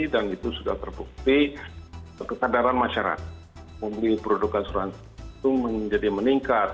dan itu sudah terbukti kekecadaran masyarakat membeli produk asuransi itu menjadi meningkat